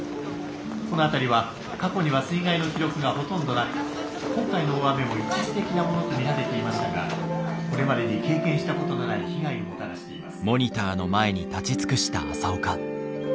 この辺りは過去には水害の記録がほとんどなく今回の大雨も一時的なものと見られていましたがこれまでに経験したことのない被害をもたらしています」。